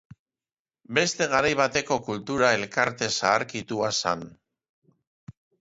Beste garai bateko Kultura elkarte zaharkitua zen.